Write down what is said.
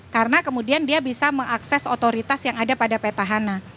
karena kemudian dia bisa mengakses otoritas yang ada pada petahana